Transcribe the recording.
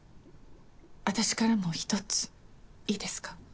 私からも一ついいですか？